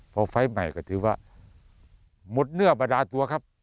พอไฟล์ใหม่ก็ถือว่าหมดเนื้อประดาตัวครับ